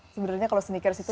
sebenernya kalau sneakers itu